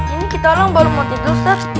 ini kita orang baru mau tidur search